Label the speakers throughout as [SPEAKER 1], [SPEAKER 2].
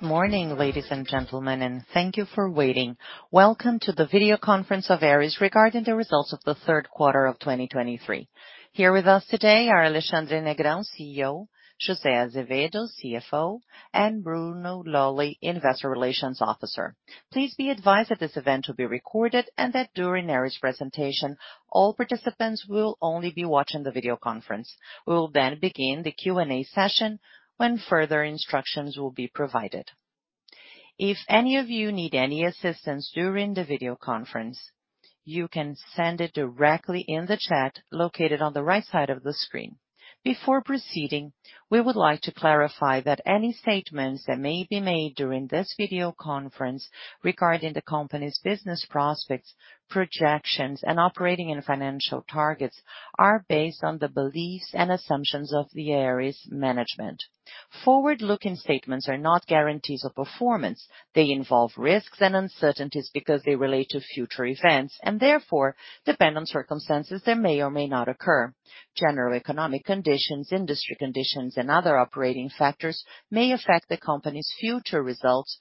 [SPEAKER 1] Good morning, ladies and gentlemen, and thank you for waiting. Welcome to the video conference of Aeris regarding the results of the third quarter of 2023. Here with us today are Alexandre Negrão, CEO, José Azevedo, CFO, and Bruno Lolli, Investor Relations Officer. Please be advised that this event will be recorded and that during Aeris presentation, all participants will only be watching the video conference. We will then begin the Q&A session when further instructions will be provided. If any of you need any assistance during the video conference, you can send it directly in the chat located on the right side of the screen. Before proceeding, we would like to clarify that any statements that may be made during this video conference regarding the company's business prospects, projections, and operating and financial targets, are based on the beliefs and assumptions of the Aeris management. Forward-looking statements are not guarantees of performance. They involve risks and uncertainties because they relate to future events and therefore depend on circumstances that may or may not occur. General economic conditions, industry conditions, and other operating factors may affect the company's future results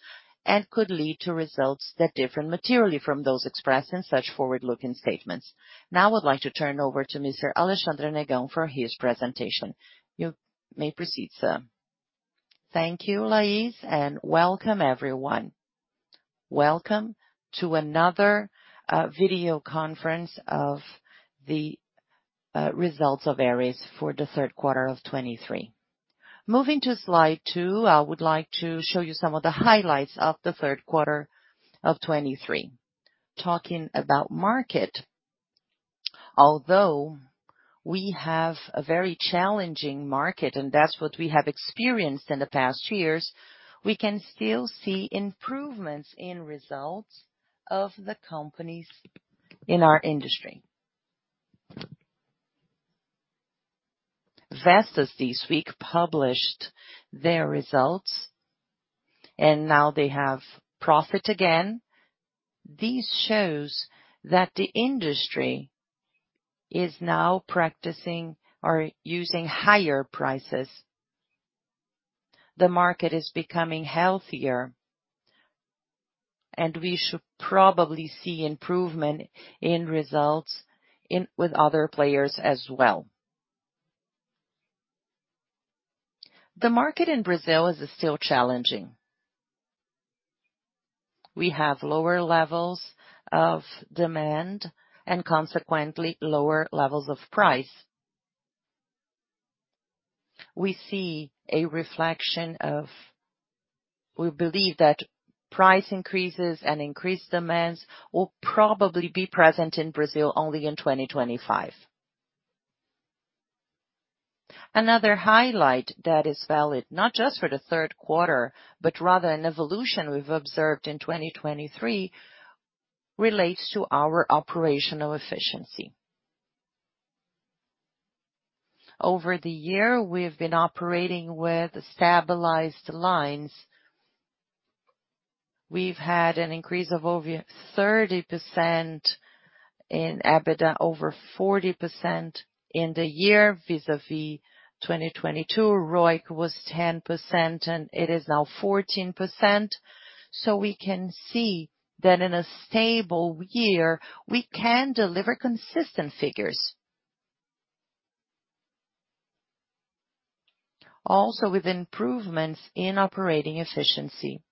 [SPEAKER 1] and could lead to results that differ materially from those expressed in such forward-looking statements. Now I would like to turn over to Mr. Alexandre Negrão for his presentation. You may proceed, sir.
[SPEAKER 2] Thank you, Lais, and welcome everyone. Welcome to another video conference of the results of Aeris for the third quarter of 2023. Moving to slide two, I would like to show you some of the highlights of the third quarter of 2023. Talking about market, although we have a very challenging market, and that's what we have experienced in the past years, we can still see improvements in results of the companies in our industry. Vestas, this week, published their results, and now they have profit again. This shows that the industry is now practicing or using higher prices. The market is becoming healthier, and we should probably see improvement in results in with other players as well. The market in Brazil is still challenging. We have lower levels of demand and consequently lower levels of price. We see a reflection of... We believe that price increases and increased demands will probably be present in Brazil only in 2025. Another highlight that is valid not just for the third quarter, but rather an evolution we've observed in 2023, relates to our operational efficiency. Over the year, we've been operating with stabilized lines. We've had an increase of over 30% in EBITDA, over 40% in the year vis-a-vis 2022. ROIC was 10%, and it is now 14%. So we can see that in a stable year, we can deliver consistent figures. Also, with improvements in operating efficiency.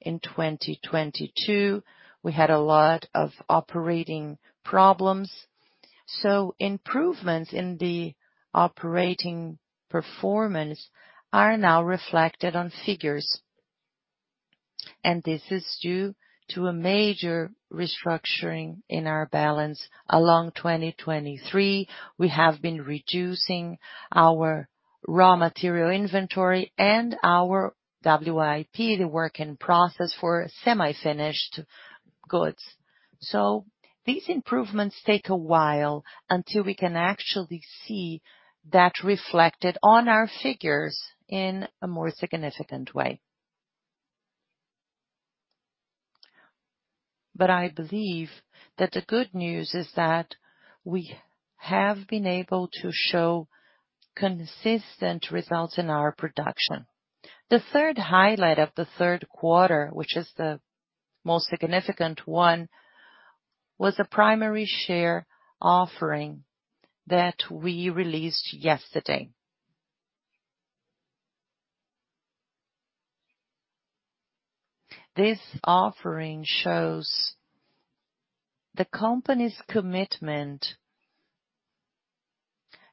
[SPEAKER 2] In 2022, we had a lot of operating problems, so improvements in the operating performance are now reflected on figures, and this is due to a major restructuring in our balance. Along 2023, we have been reducing our raw material inventory and our WIP, the work in process for semi-finished goods. So these improvements take a while until we can actually see that reflected on our figures in a more significant way. But I believe that the good news is that we have been able to show consistent results in our production. The third highlight of the third quarter, which is the most significant one, was a primary share offering that we released yesterday. This offering shows the company's commitment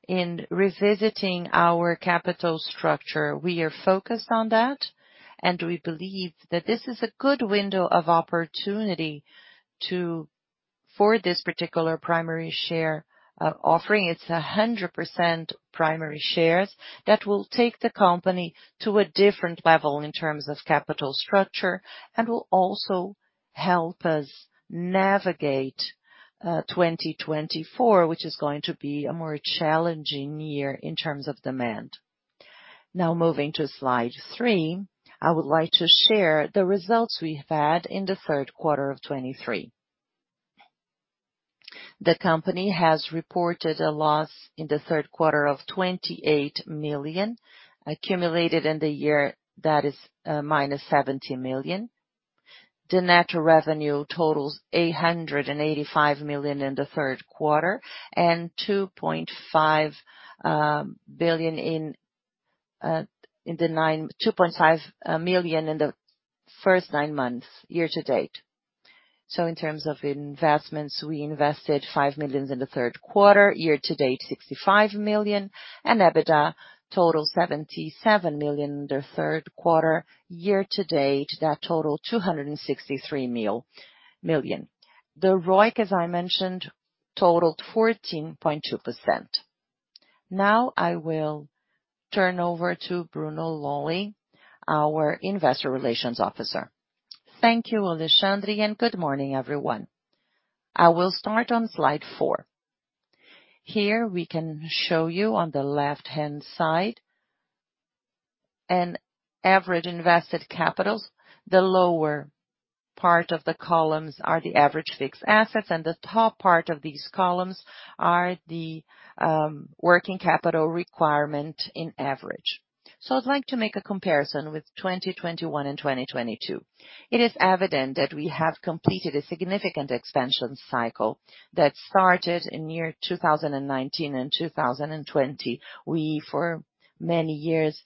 [SPEAKER 2] in revisiting our capital structure. We are focused on that, and we believe that this is a good window of opportunity to for this particular primary share offering. It's 100% primary shares that will take the company to a different level in terms of capital structure, and will also help us navigate 2024, which is going to be a more challenging year in terms of demand. Now, moving to slide three, I would like to share the results we've had in the third quarter of 2023. The company has reported a loss in the third quarter of 28 million. Accumulated in the year, that is, -70 million. The net revenue totals 885 million in the third quarter, and 2.5 billion in the first nine months, year to date. So in terms of investments, we invested 5 million in the third quarter, year to date, 65 million, and EBITDA total 77 million in the third quarter. Year to date, that total 263 million. The ROIC, as I mentioned, totaled 14.2%. Now, I will turn over to Bruno Lolli, our Investor Relations Officer.
[SPEAKER 3] Thank you, Alexandre, and good morning, everyone. I will start on slide four. Here, we can show you on the left-hand side, an average invested capitals. The lower part of the columns are the average fixed assets, and the top part of these columns are the working capital requirement in average. So I'd like to make a comparison with 2021 and 2022. It is evident that we have completed a significant expansion cycle that started in year 2019 and 2020. We, for many years,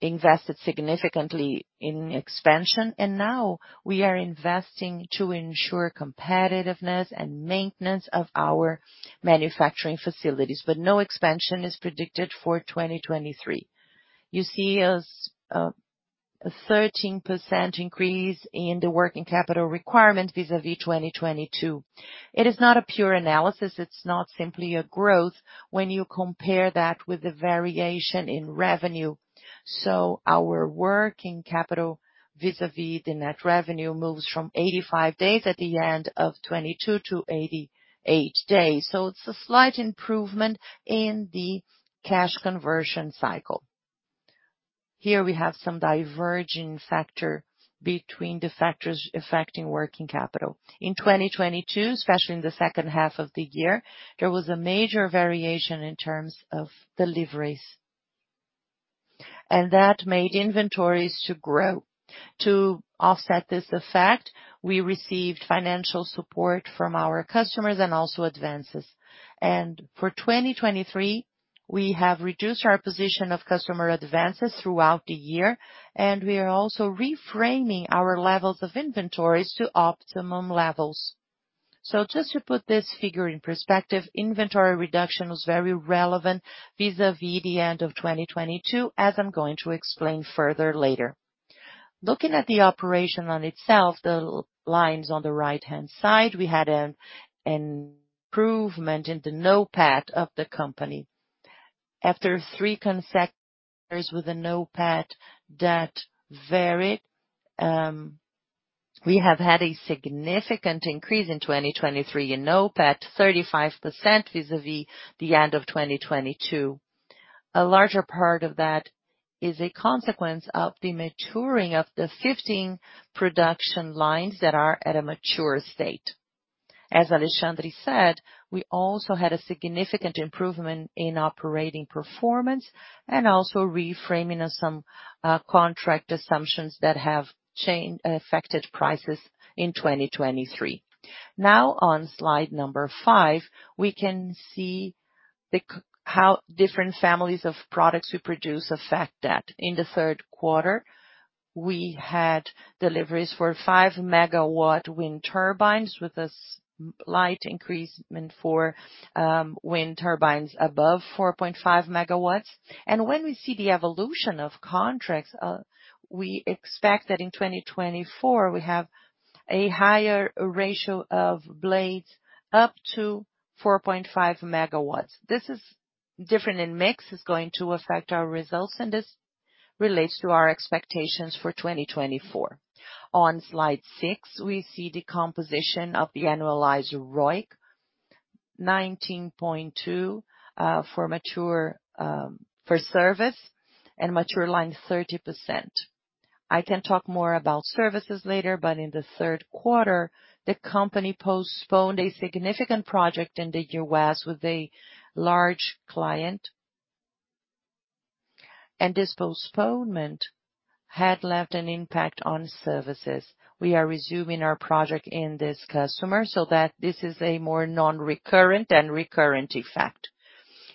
[SPEAKER 3] invested significantly in expansion, and now we are investing to ensure competitiveness and maintenance of our manufacturing facilities, but no expansion is predicted for 2023. You see a 13% increase in the working capital requirement vis-a-vis 2022. It is not a pure analysis, it's not simply a growth when you compare that with the variation in revenue. So our working capital vis-a-vis the net revenue moves from 85 days at the end of 2022 to 88 days. So it's a slight improvement in the cash conversion cycle. Here we have some diverging factor between the factors affecting working capital. In 2022, especially in the second half of the year, there was a major variation in terms of deliveries, and that made inventories to grow. To offset this effect, we received financial support from our customers and also advances. And for 2023, we have reduced our position of customer advances throughout the year, and we are also reframing our levels of inventories to optimum levels. So just to put this figure in perspective, inventory reduction was very relevant vis-a-vis the end of 2022, as I'm going to explain further later. Looking at the operation on itself, the lines on the right-hand side, we had an improvement in the NOPAT of the company. After three consecutive years with a NOPAT that varied, we have had a significant increase in 2023 in NOPAT, 35% vis-a-vis the end of 2022. A larger part of that is a consequence of the maturing of the 15 production lines that are at a mature state. As Alexandre said, we also had a significant improvement in operating performance, and also reframing of some contract assumptions that have changed, affected prices in 2023. Now, on slide number five, we can see how different families of products we produce affect that. In the third quarter, we had deliveries for 5 MW wind turbines, with a slight increase in for wind turbines above 4.5 MW. And when we see the evolution of contracts, we expect that in 2024, we have a higher ratio of blades up to 4.5 MW. This is different in mix, is going to affect our results, and this relates to our expectations for 2024. On slide six, we see the composition of the annualized ROIC, 19.2, for mature, for service, and mature line, 30%. I can talk more about services later, but in the third quarter, the company postponed a significant project in the U.S. with a large client. And this postponement had left an impact on services. We are resuming our project in this customer so that this is a more non-recurrent than recurrent effect.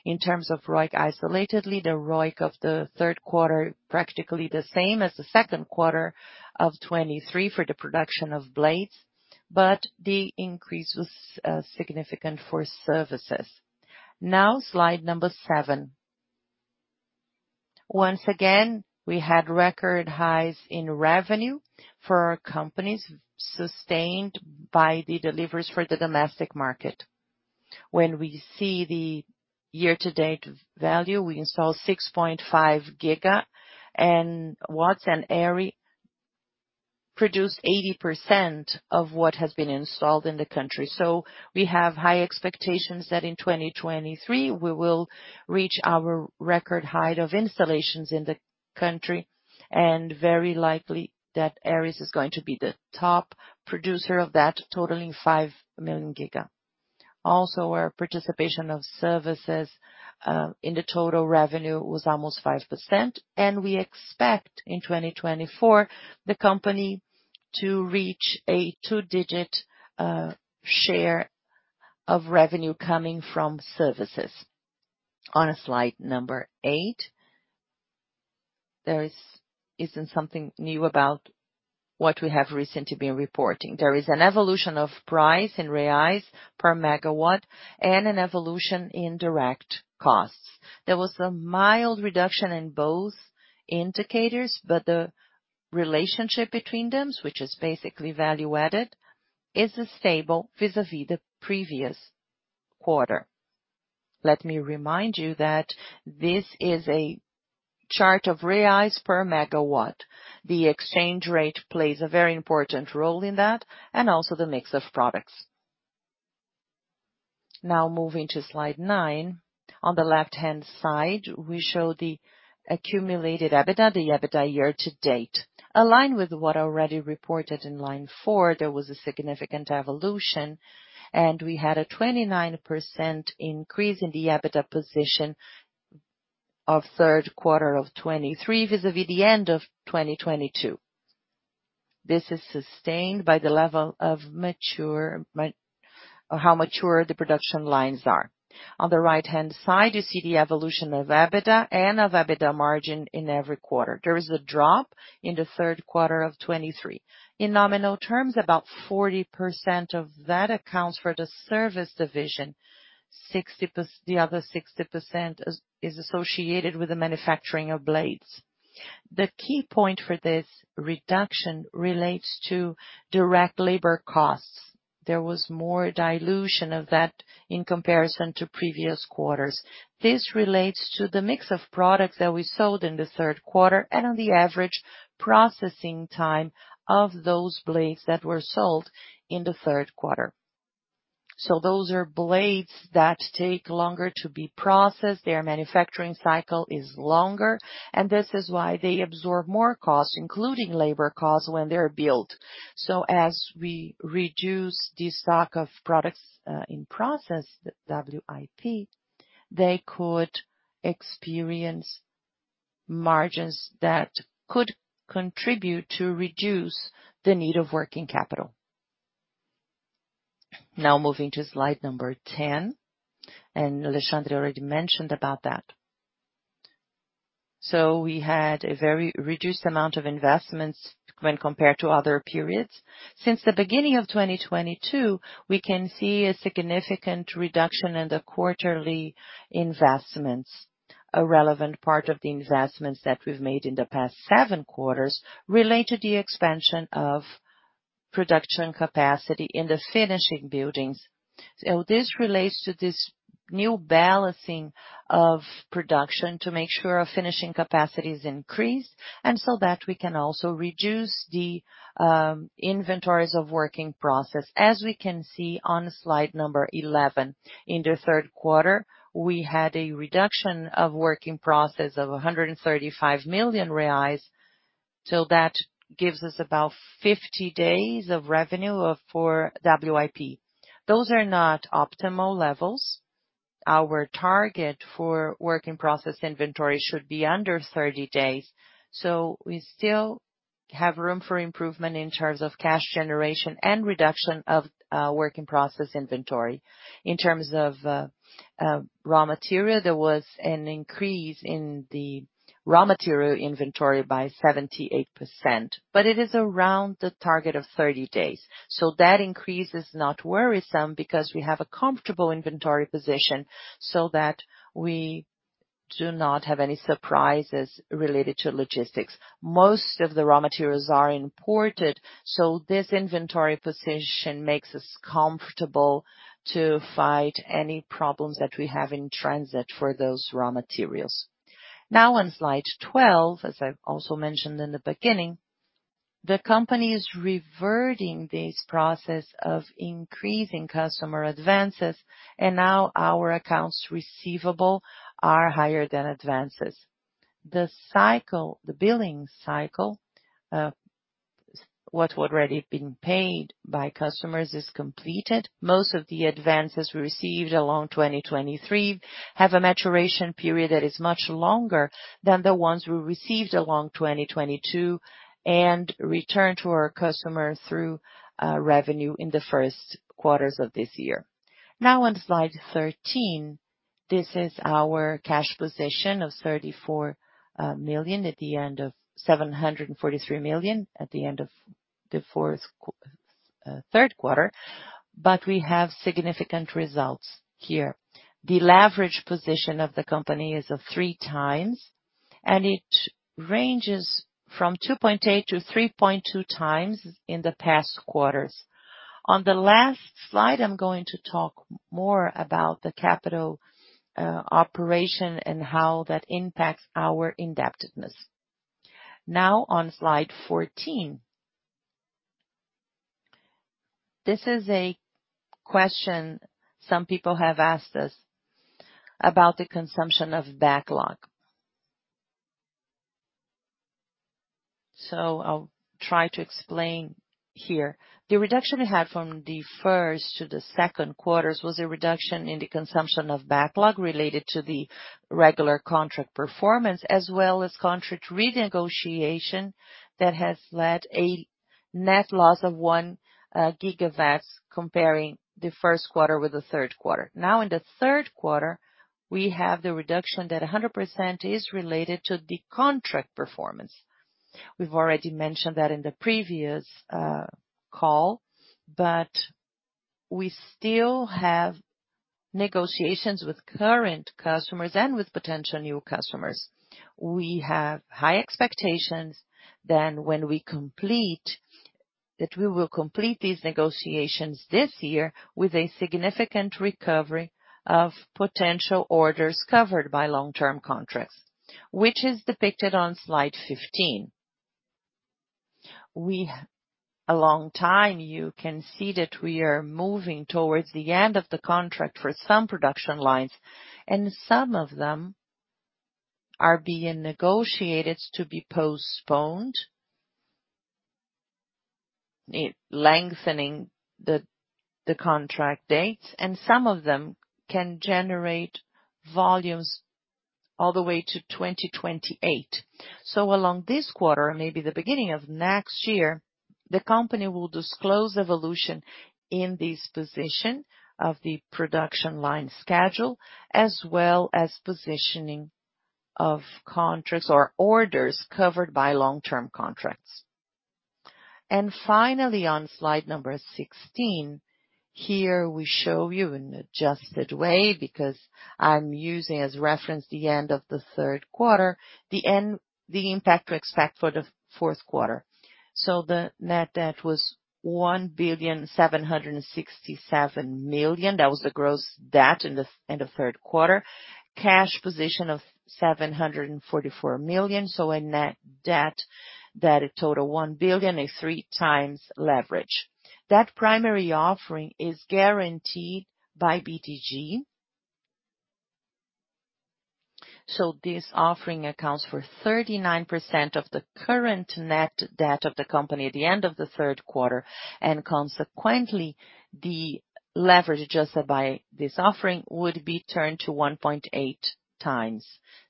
[SPEAKER 3] In terms of ROIC, isolatedly, the ROIC of the third quarter, practically the same as the second quarter of 2023 for the production of blades, but the increase was significant for services. Now, slide number seven. Once again, we had record highs in revenue for our companies, sustained by the deliveries for the domestic market. When we see the year-to-date value, we installed 6.5 GW and Aeris produced 80% of what has been installed in the country. So we have high expectations that in 2023, we will reach our record high of installations in the country, and very likely that Aeris is going to be the top producer of that, totaling 5 GW. Also, our participation of services in the total revenue was almost 5%, and we expect in 2024, the company to reach a two-digit share of revenue coming from services. On slide number eight, there isn't something new about what we have recently been reporting. There is an evolution of price in reais per megawatt and an evolution in direct costs. There was a mild reduction in both indicators, but the relationship between them, which is basically value-added, is stable vis-a-vis the previous quarter. Let me remind you that this is a chart of reais per megawatt. The exchange rate plays a very important role in that, and also the mix of products. Now, moving to slide nine. On the left-hand side, we show the accumulated EBITDA, the EBITDA year-to-date. Aligned with what already reported in line four, there was a significant evolution, and we had a 29% increase in the EBITDA position of third quarter of 2023, vis-a-vis the end of 2022. This is sustained by the level of mature or how mature the production lines are. On the right-hand side, you see the evolution of EBITDA and of EBITDA margin in every quarter. There is a drop in the third quarter of 2023. In nominal terms, about 40% of that accounts for the service division. The other 60% is associated with the manufacturing of blades. The key point for this reduction relates to direct labor costs. There was more dilution of that in comparison to previous quarters. This relates to the mix of products that we sold in the third quarter and on the average processing time of those blades that were sold in the third quarter. So those are blades that take longer to be processed. Their manufacturing cycle is longer, and this is why they absorb more costs, including labor costs, when they're built. So as we reduce the stock of products in process, the WIP, they could experience margins that could contribute to reduce the need of working capital. Now moving to slide number 10, and Alexandre already mentioned about that. So we had a very reduced amount of investments when compared to other periods. Since the beginning of 2022, we can see a significant reduction in the quarterly investments. A relevant part of the investments that we've made in the past seven quarters relate to the expansion of production capacity in the finishing buildings. So this relates to this new balancing of production to make sure our finishing capacity is increased, and so that we can also reduce the inventories of work in process. As we can see on slide number 11, in the third quarter, we had a reduction of work in process of 135 million reais, so that gives us about 50 days of revenue for WIP. Those are not optimal levels. Our target for work-in-process inventory should be under 30 days, so we still have room for improvement in terms of cash generation and reduction of work-in-process inventory. In terms of raw material, there was an increase in the raw material inventory by 78%, but it is around the target of 30 days. So that increase is not worrisome because we have a comfortable inventory position, so that we do not have any surprises related to logistics. Most of the raw materials are imported, so this inventory position makes us comfortable to fight any problems that we have in transit for those raw materials. Now, on slide 12, as I've also mentioned in the beginning, the company is reverting this process of increasing customer advances, and now our accounts receivable are higher than advances. The cycle, the billing cycle, what's already been paid by customers, is completed. Most of the advances we received along 2023 have a maturation period that is much longer than the ones we received along 2022, and returned to our customer through revenue in the first quarters of this year. Now on Slide 13, this is our cash position of 743 million at the end of the third quarter, but we have significant results here. The leverage position of the company is of 3x, and it ranges from 2.8x-3.2x in the past quarters. On the last slide, I'm going to talk more about the capital operation and how that impacts our indebtedness. Now on slide 14. This is a question some people have asked us about the consumption of backlog. So I'll try to explain here. The reduction we had from the first to the second quarters was a reduction in the consumption of backlog related to the regular contract performance, as well as contract renegotiation that has led a net loss of 1 GW, comparing the first quarter with the third quarter. Now, in the third quarter, we have the reduction that 100% is related to the contract performance. We've already mentioned that in the previous call, but we still have negotiations with current customers and with potential new customers. We have high expectations that we will complete these negotiations this year with a significant recovery of potential orders covered by long-term contracts, which is depicted on slide 15. Well, a long time, you can see that we are moving towards the end of the contract for some production lines, and some of them are being negotiated to be postponed, lengthening the contract dates, and some of them can generate volumes all the way to 2028. So along this quarter, maybe the beginning of next year, the company will disclose evolution in this position of the production line schedule, as well as positioning of contracts or orders covered by long-term contracts. And finally, on slide number 16, here we show you an adjusted way, because I'm using as reference the end of the third quarter, the impact to expect for the fourth quarter. So the net debt was 1.767 billion. That was the gross debt in the third quarter. Cash position of 744 million, so a net debt that totals 1 billion, a 3x leverage. That primary offering is guaranteed by BTG. So this offering accounts for 39% of the current net debt of the company at the end of the third quarter, and consequently, the leverage adjusted by this offering would be turned to 1.8x.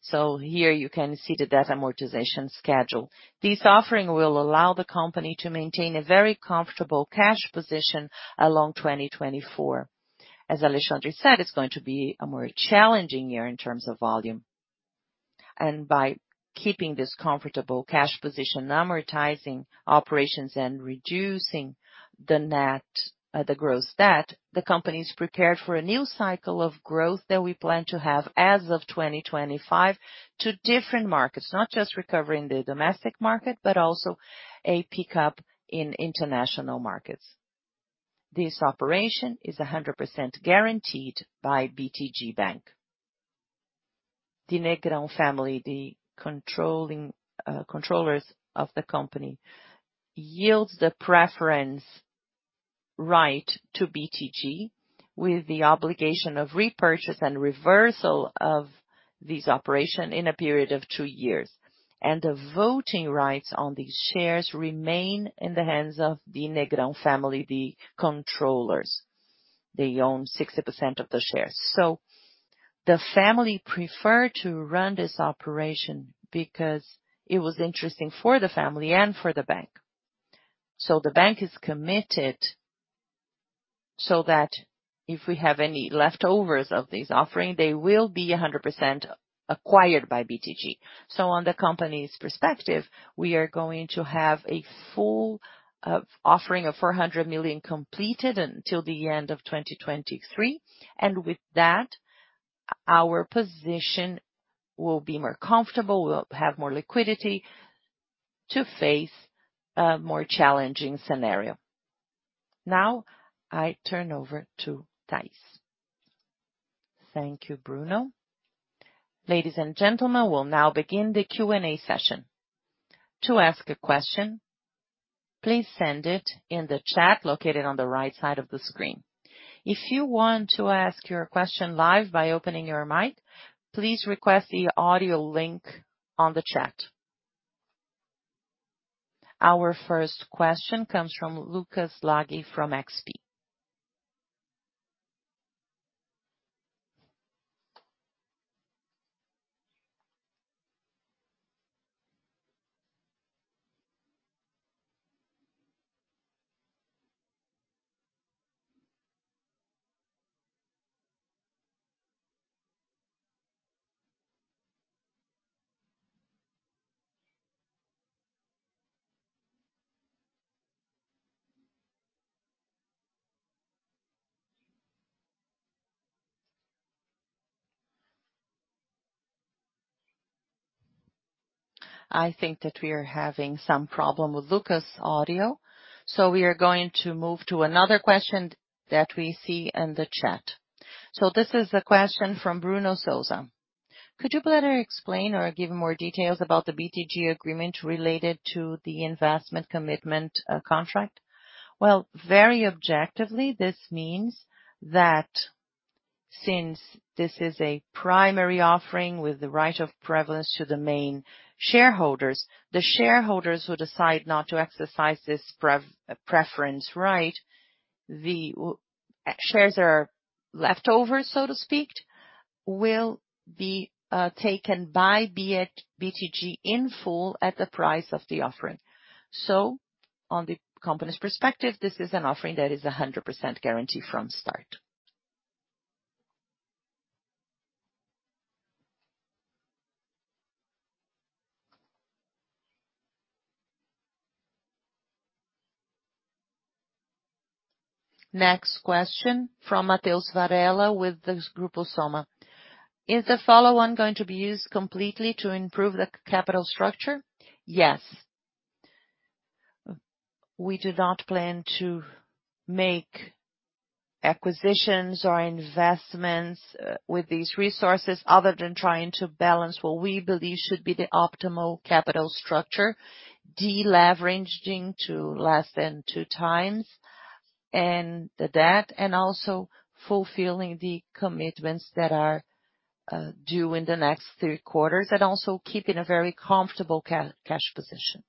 [SPEAKER 3] So here you can see the debt amortization schedule. This offering will allow the company to maintain a very comfortable cash position along 2024. As Alexandre said, it's going to be a more challenging year in terms of volume. And by keeping this comfortable cash position, amortizing operations and reducing the net, the gross debt, the company is prepared for a new cycle of growth that we plan to have as of 2025 to different markets. Not just recovering the domestic market, but also a pickup in international markets. This operation is 100% guaranteed by BTG Bank. The Negrão family, the controlling controllers of the company, yields the preference right to BTG, with the obligation of repurchase and reversal of this operation in a period of two years, and the voting rights on these shares remain in the hands of the Negrão family, the controllers. They own 60% of the shares. So the family preferred to run this operation because it was interesting for the family and for the bank. So the bank is committed, so that if we have any leftovers of this offering, they will be 100% acquired by BTG. So on the company's perspective, we are going to have a full offering of 400 million completed until the end of 2023, and with that, our position will be more comfortable. We'll have more liquidity to face a more challenging scenario. Now, I turn over to Thais.
[SPEAKER 1] Thank you, Bruno. Ladies and gentlemen, we'll now begin the Q&A session. To ask a question, please send it in the chat located on the right side of the screen. If you want to ask your question live by opening your mic, please request the audio link on the chat. Our first question comes from Lucas Laghi, from XP. I think that we are having some problem with Lucas' audio, so we are going to move to another question that we see in the chat. So this is a question from Bruno Souza. Could you better explain or give more details about the BTG agreement related to the investment commitment, contract?
[SPEAKER 2] Well, very objectively, this means that since this is a primary offering with the right of prevalence to the main shareholders, the shareholders who decide not to exercise this preference right, the shares are left over, so to speak, will be taken by BTG in full at the price of the offering. So on the company's perspective, this is an offering that is 100% guarantee from start.
[SPEAKER 1] Next question from Matheus Varela with the Grupo Soma: "Is the follow-on going to be used completely to improve the capital structure?"
[SPEAKER 2] Yes. We do not plan to make acquisitions or investments with these resources other than trying to balance what we believe should be the optimal capital structure, de-leveraging to less than 2x, and the debt, and also fulfilling the commitments that are due in the next three quarters, and also keeping a very comfortable cash position.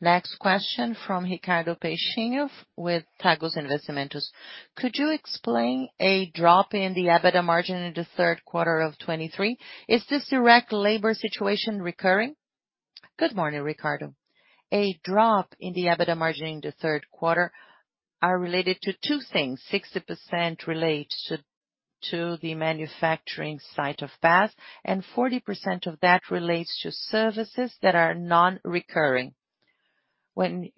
[SPEAKER 1] Next question from Ricardo Peixinho with Tagus Investimentos: "Could you explain a drop in the EBITDA margin in the third quarter of 2023? Is this direct labor situation recurring?"
[SPEAKER 2] Good morning, Ricardo. A drop in the EBITDA margin in the third quarter are related to two things. 60% relates to the manufacturing site of Bath, and 40% of that relates to services that are non-recurring.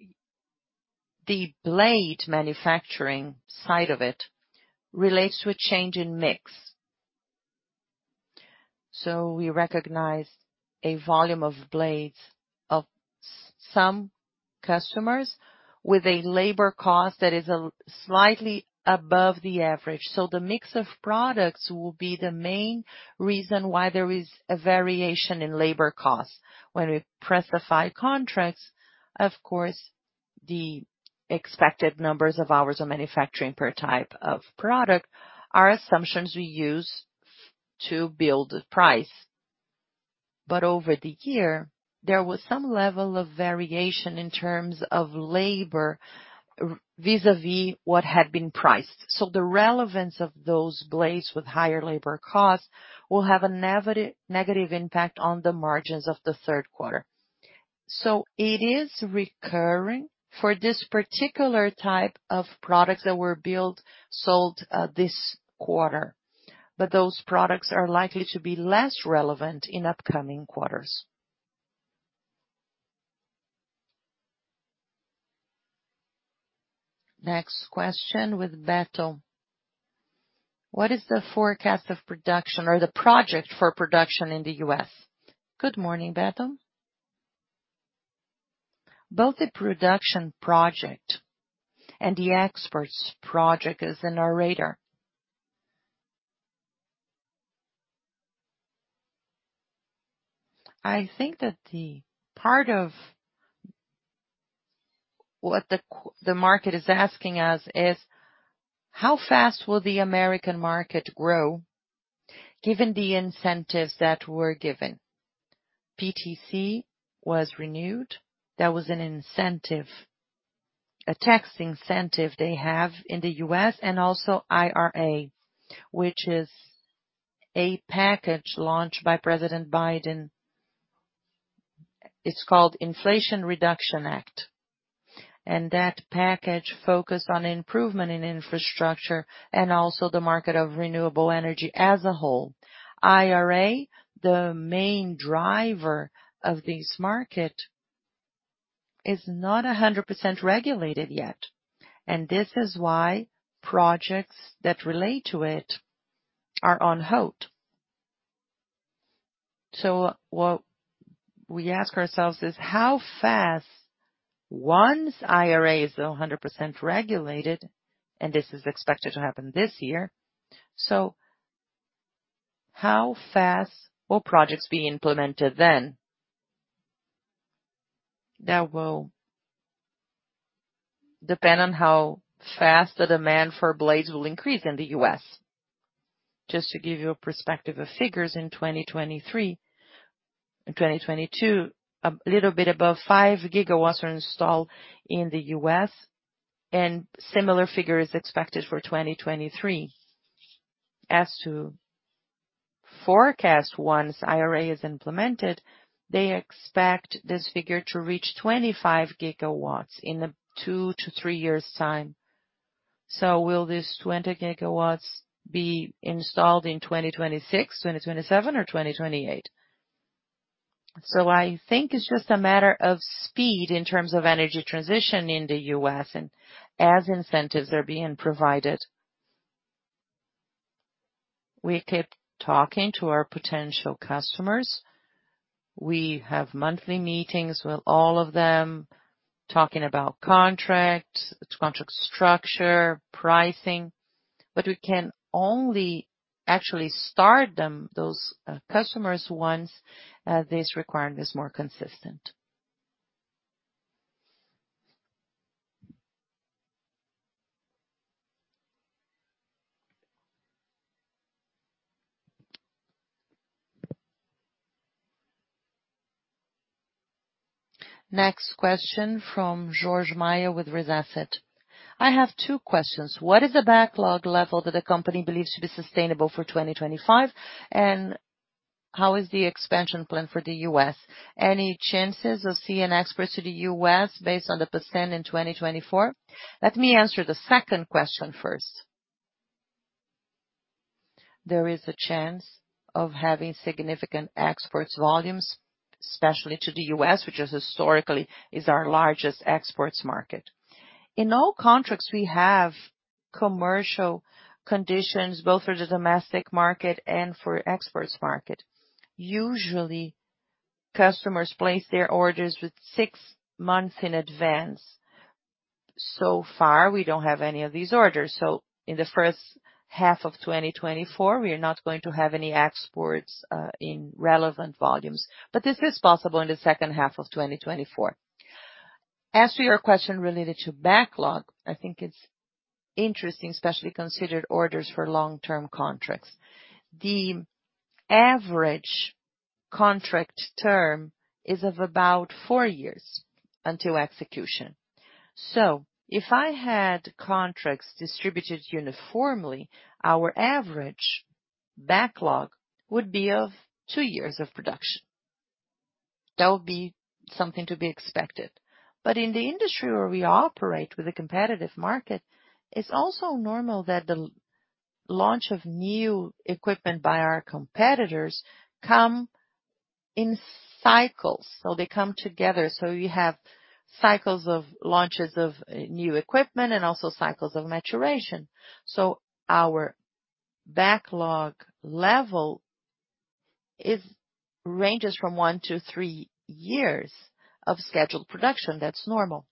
[SPEAKER 2] The blade manufacturing side of it relates to a change in mix. So we recognized a volume of blades of some customers with a labor cost that is slightly above the average. So the mix of products will be the main reason why there is a variation in labor costs. When we price the five contracts, of course, the expected numbers of hours of manufacturing per type of product are assumptions we use to build the price. But over the year, there was some level of variation in terms of labor, vis-a-vis what had been priced. So the relevance of those blades with higher labor costs will have a negative impact on the margins of the third quarter. So it is recurring for this particular type of products that were built, sold, this quarter, but those products are likely to be less relevant in upcoming quarters.
[SPEAKER 1] Next question with Beto: "What is the forecast of production or the project for production in the U.S.?"
[SPEAKER 2] Good morning, Beto. Both the production project and the experts project is in our radar. I think that the part of what the market is asking us is: how fast will the American market grow, given the incentives that were given? PTC was renewed. That was an incentive, a tax incentive they have in the U.S., and also IRA, which is a package launched by President Biden. It's called Inflation Reduction Act, and that package focused on improvement in infrastructure and also the market of renewable energy as a whole. IRA, the main driver of this market, is not 100% regulated yet, and this is why projects that relate to it are on hold. So what we ask ourselves is, how fast once IRA is 100% regulated, and this is expected to happen this year, so how fast will projects be implemented then? That will depend on how fast the demand for blades will increase in the U.S. Just to give you a perspective of figures in 2023. In 2022, a little bit above 5 GW were installed in the U.S., and similar figure is expected for 2023. As to forecast once IRA is implemented, they expect this figure to reach 25 GW in a two to three years time. So will this 20 GW be installed in 2026, 2027 or 2028? So I think it's just a matter of speed in terms of energy transition in the U.S., and as incentives are being provided. We keep talking to our potential customers. We have monthly meetings with all of them, talking about contracts, contract structure, pricing, but we can only actually start them, those, customers, once this requirement is more consistent.
[SPEAKER 1] Next question from George Maia with Riza Asset. I have two questions: What is the backlog level that the company believes to be sustainable for 2025? And how is the expansion plan for the U.S.? Any chances of seeing exports to the U.S. based on the PTC in 2024?
[SPEAKER 2] Let me answer the second question first. There is a chance of having significant export volumes, especially to the U.S., which is historically is our largest export market. In all contracts, we have commercial conditions, both for the domestic market and for export market. Usually, customers place their orders with six months in advance. So far, we don't have any of these orders, so in the first half of 2024, we are not going to have any exports in relevant volumes. But this is possible in the second half of 2024. As to your question related to backlog, I think it's interesting, especially considered orders for long-term contracts. The average contract term is of about four years until execution. So if I had contracts distributed uniformly, our average backlog would be of two years of production. That would be something to be expected. But in the industry where we operate with a competitive market, it's also normal that the launch of new equipment by our competitors come in cycles, so they come together. So you have cycles of launches of new equipment and also cycles of maturation. So our backlog level ranges from one to three years of scheduled production. That's normal.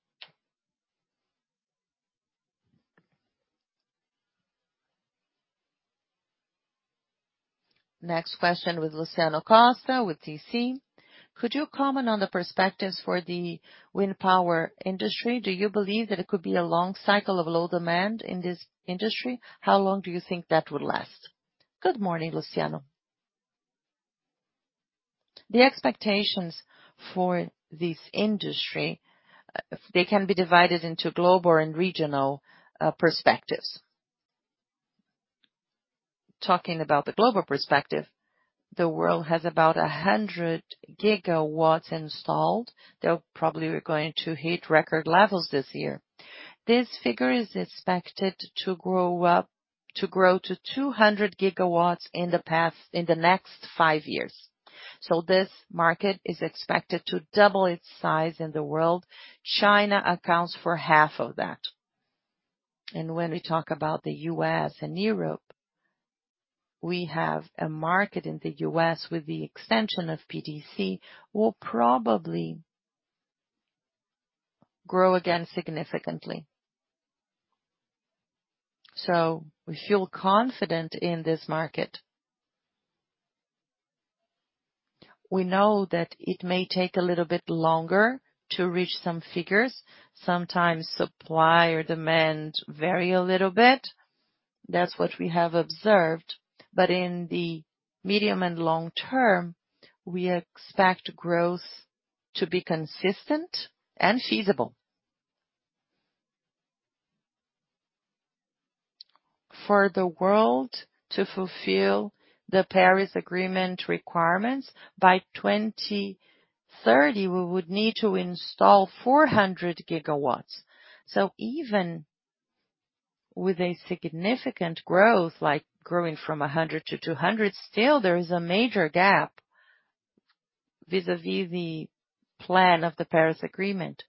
[SPEAKER 1] Next question with Luciano Costa with TC. Could you comment on the perspectives for the wind power industry? Do you believe that it could be a long cycle of low demand in this industry? How long do you think that would last?
[SPEAKER 2] Good morning, Luciano. The expectations for this industry, they can be divided into global and regional perspectives. Talking about the global perspective, the world has about 100 GW installed, that probably are going to hit record levels this year. This figure is expected to grow to 200 GW in the next five years. So this market is expected to double its size in the world. China accounts for half of that. When we talk about the U.S. and Europe, we have a market in the U.S. with the extension of PTC, will probably grow again significantly. So we feel confident in this market. We know that it may take a little bit longer to reach some figures. Sometimes supply or demand vary a little bit. That's what we have observed. But in the medium and long term, we expect growth to be consistent and feasible. For the world to fulfill the Paris Agreement requirements, by 2030, we would need to install 400 GW. So even with a significant growth, like growing from 100 to 200, still there is a major gap vis-à-vis the plan of the Paris Agreement.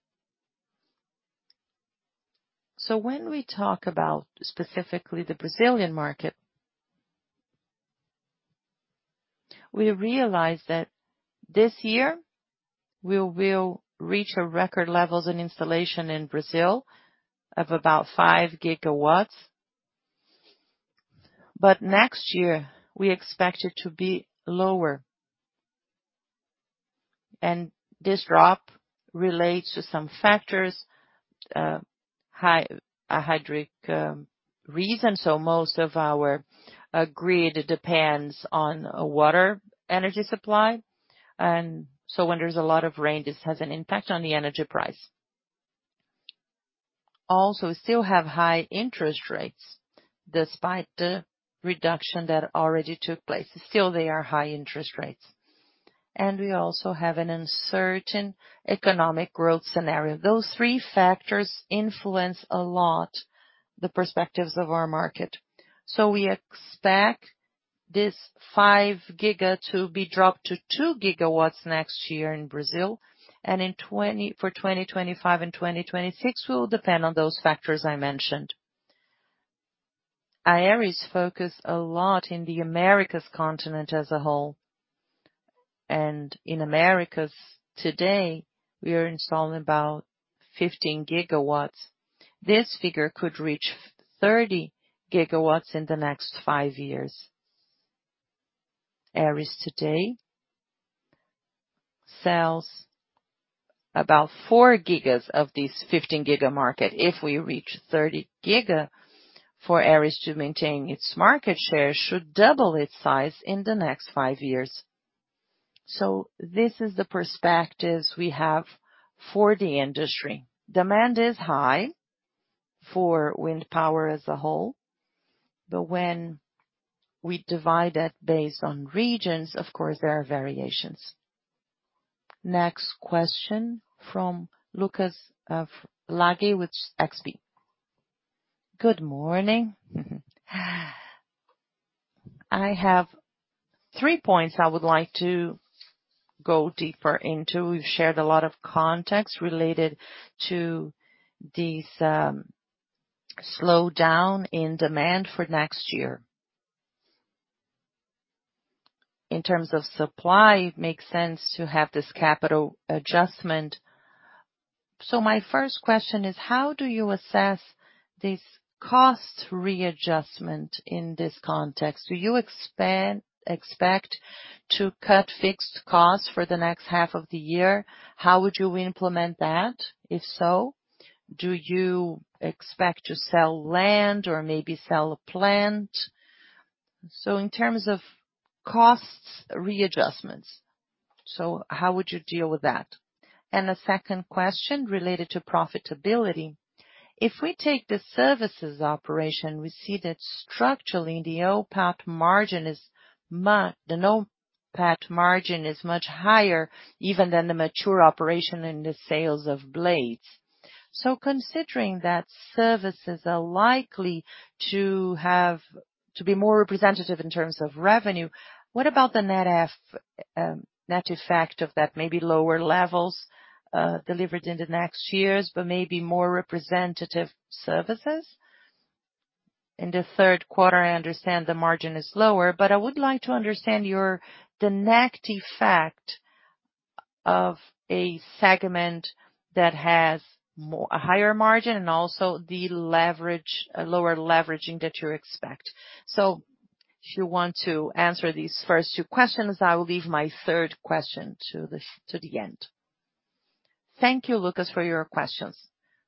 [SPEAKER 2] So when we talk about, specifically the Brazilian market, we realize that this year, we will reach a record levels in installation in Brazil of about 5 GW, but next year, we expect it to be lower. This drop relates to some factors, high hydraulic reasons. So most of our grid depends on a water energy supply, and so when there's a lot of rain, this has an impact on the energy price. Also, we still have high interest rates, despite the reduction that already took place. Still, they are high interest rates. We also have an uncertain economic growth scenario. Those three factors influence a lot, the perspectives of our market. So we expect this 5 GW to be dropped to 2 GW next year in Brazil, and in 2025 and 2026, will depend on those factors I mentioned. Aeris focuses a lot in the Americas continent as a whole, and in Americas, today, we are installing about 15 GW. This figure could reach 30 GW in the next five years. Aeris today sells about 4 GW of these 15 GW market. If we reach 30 GW for Aeris to maintain its market share, should double its size in the next five years. So this is the perspectives we have for the industry. Demand is high for wind power as a whole, but when we divide that based on regions, of course, there are variations.
[SPEAKER 1] Next question from Lucas Laghi with XP.
[SPEAKER 4] Good morning. I have three points I would like to go deeper into. We've shared a lot of context related to this slowdown in demand for next year. In terms of supply, it makes sense to have this capital adjustment. My first question is: how do you assess this cost readjustment in this context? Do you expect to cut fixed costs for the next half of the year? How would you implement that, if so? Do you expect to sell land or maybe sell a plant? So in terms of costs readjustments, so how would you deal with that? A second question related to profitability. If we take the services operation, we see that structurally, the NOPAT margin is much higher, even than the mature operation in the sales of blades. So considering that services are likely to be more representative in terms of revenue, what about the net effect of that, maybe lower levels delivered in the next years, but maybe more representative services? In the third quarter, I understand the margin is lower, but I would like to understand the net effect of a segment that has a higher margin and also the leverage, a lower leveraging that you expect. So if you want to answer these first two questions, I will leave my third question to the end.
[SPEAKER 2] Thank you, Lucas, for your questions.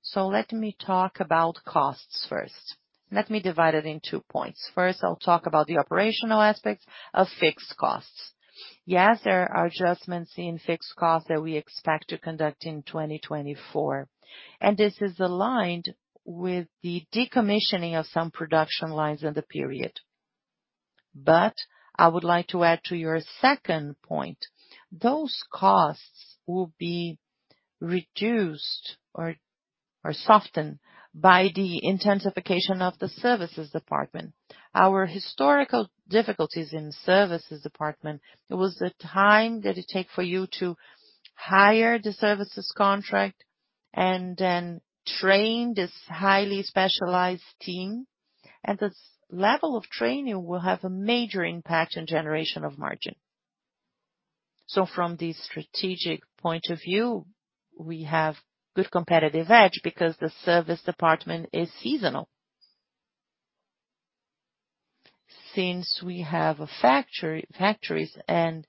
[SPEAKER 2] So let me talk about costs first. Let me divide it in two points. First, I'll talk about the operational aspects of fixed costs. Yes, there are adjustments in fixed costs that we expect to conduct in 2024, and this is aligned with the decommissioning of some production lines in the period. But I would like to add to your second point, those costs will be reduced or softened by the intensification of the services department. Our historical difficulties in services department, it was the time that it take for you to hire the services contract and then train this highly specialized team, and this level of training will have a major impact on generation of margin. So from the strategic point of view, we have good competitive edge because the service department is seasonal. Since we have a factory- factories, and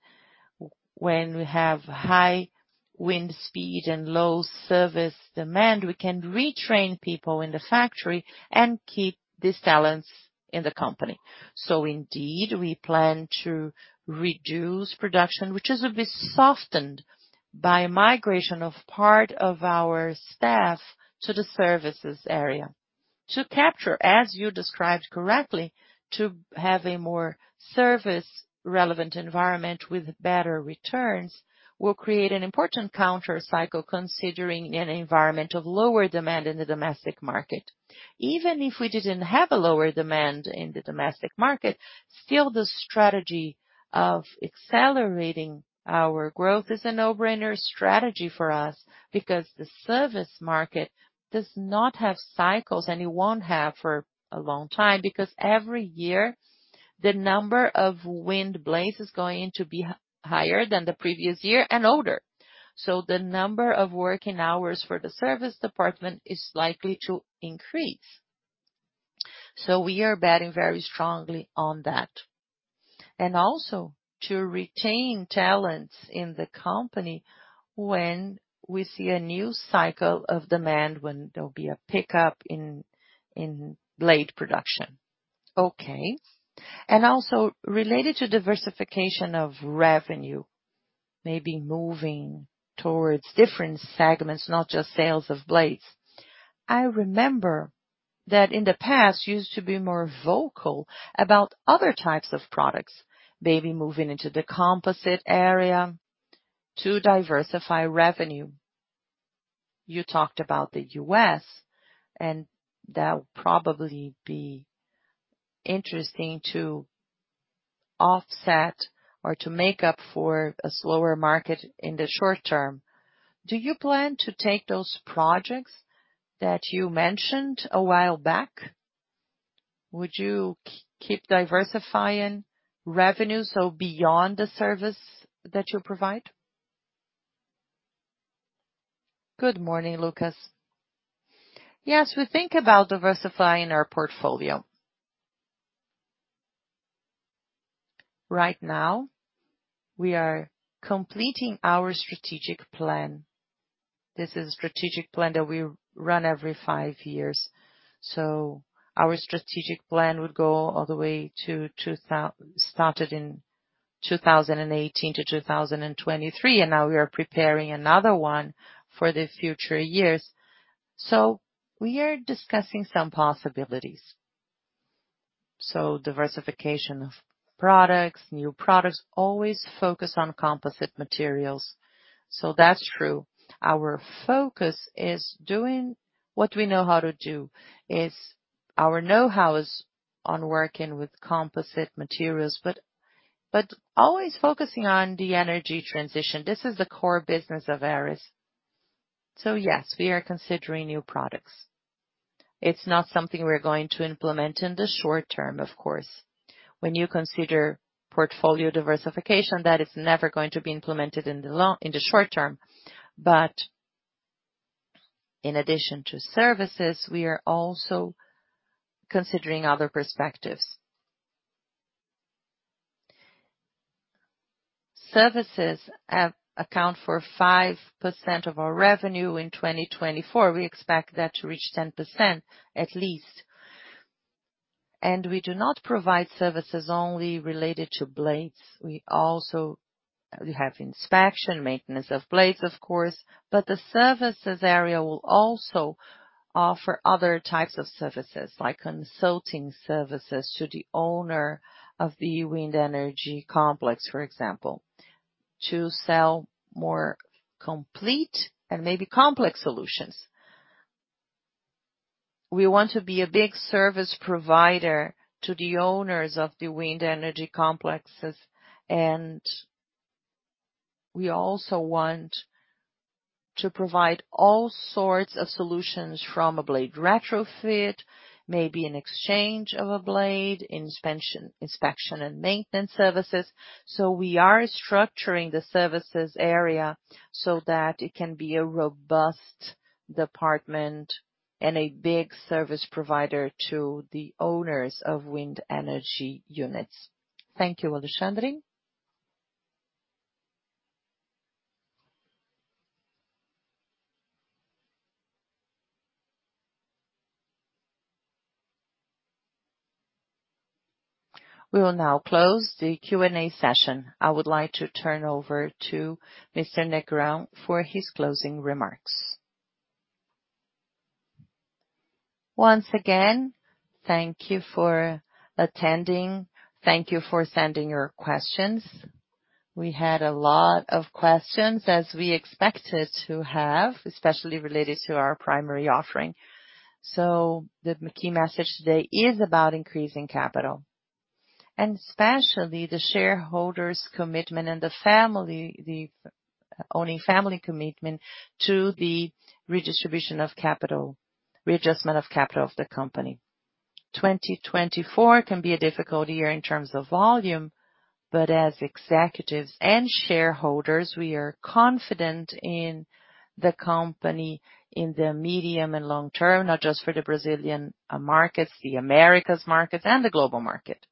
[SPEAKER 2] when we have high wind speed and low service demand, we can retrain people in the factory and keep these talents in the company. So indeed, we plan to reduce production, which is a bit softened by migration of part of our staff to the services area. To capture, as you described correctly, to have a more service-relevant environment with better returns, will create an important counter cycle, considering an environment of lower demand in the domestic market. Even if we didn't have a lower demand in the domestic market, still, the strategy of accelerating our growth is a no-brainer strategy for us, because the service market does not have cycles, and it won't have for a long time, because every year, the number of wind blades is going to be higher than the previous year and older. So the number of working hours for the service department is likely to increase. So we are betting very strongly on that. And also to retain talents in the company when we see a new cycle of demand, when there'll be a pickup in blade production.
[SPEAKER 4] Okay, and also related to diversification of revenue... maybe moving towards different segments, not just sales of blades. I remember that in the past, you used to be more vocal about other types of products, maybe moving into the composite area to diversify revenue. You talked about the U.S., and that would probably be interesting to offset or to make up for a slower market in the short term. Do you plan to take those projects that you mentioned a while back? Would you keep diversifying revenue, so beyond the service that you provide?
[SPEAKER 5] Good morning, Lucas. Yes, we think about diversifying our portfolio. Right now, we are completing our strategic plan. This is a strategic plan that we run every five years. So our strategic plan started in 2018 to 2023, and now we are preparing another one for the future years. So we are discussing some possibilities. So diversification of products, new products, always focus on composite materials. So that's true. Our focus is doing what we know how to do, is our know-how is on working with composite materials, but always focusing on the energy transition. This is the core business of Aeris. So yes, we are considering new products. It's not something we're going to implement in the short term, of course. When you consider portfolio diversification, that is never going to be implemented in the short term. But in addition to services, we are also considering other perspectives. Services account for 5% of our revenue in 2024. We expect that to reach 10%, at least. And we do not provide services only related to blades. We also have inspection, maintenance of blades, of course, but the services area will also offer other types of services, like consulting services to the owner of the wind energy complex, for example, to sell more complete and maybe complex solutions. We want to be a big service provider to the owners of the wind energy complexes, and we also want to provide all sorts of solutions from a blade retrofit, maybe an exchange of a blade, inspection, inspection and maintenance services. So we are structuring the services area so that it can be a robust department and a big service provider to the owners of wind energy units.
[SPEAKER 1] Thank you, Alexandre. We will now close the Q&A session. I would like to turn over to Mr. Negrão for his closing remarks.
[SPEAKER 2] Once again, thank you for attending. Thank you for sending your questions. We had a lot of questions, as we expected to have, especially related to our primary offering. So the key message today is about increasing capital, and especially the shareholders' commitment and the family, the owning family commitment to the redistribution of capital, readjustment of capital of the company. 2024 can be a difficult year in terms of volume, but as executives and shareholders, we are confident in the company in the medium and long term, not just for the Brazilian markets, the Americas markets, and the global market.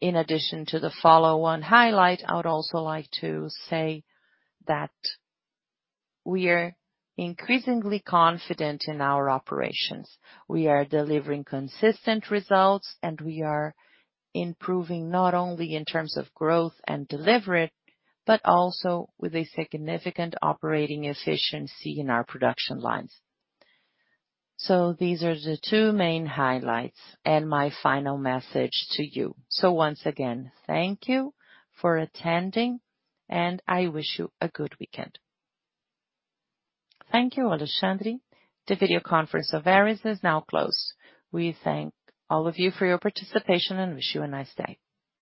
[SPEAKER 2] In addition to the follow-on highlight, I would also like to say that we are increasingly confident in our operations. We are delivering consistent results, and we are improving not only in terms of growth and delivery, but also with a significant operating efficiency in our production lines. So these are the two main highlights and my final message to you. So once again, thank you for attending, and I wish you a good weekend.
[SPEAKER 1] Thank you, Alexandre. The video conference of Aeris is now closed. We thank all of you for your participation and wish you a nice day.